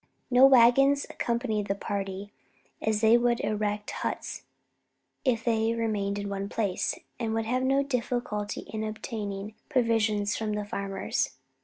No waggons accompanied the party, as they would erect huts if they remained in one place, and would have no difficulty in obtaining provisions from the farmers.